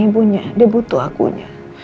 ibunya dia butuh akunya